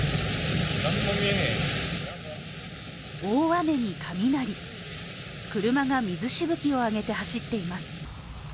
大雨に雷、車が水しぶきを上げて走っています。